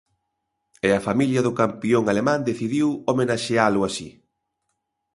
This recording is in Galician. E a familia do campión alemán decidiu homenaxealo así.